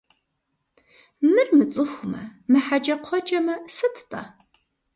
Мыр мыцӀыхумэ, мыхьэкӀэкхъуэкӀэмэ, сыт–тӀэ?